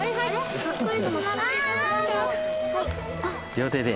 両手で。